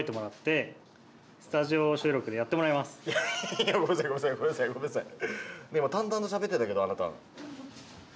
いやごめんなさいごめんなさいごめんなさいごめんなさい。